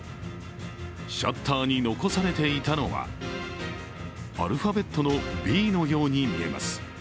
シャッターに残されていたのはアルファベットのＢのように見えます。